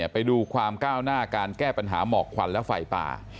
ไปดูความก้าวหน้าการแก้ปัญหาหมอกควันและไฟป่า